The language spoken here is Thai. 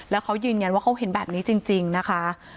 แล้วเขายืนยันว่าเขาเห็นแบบนี้จริงนะคะ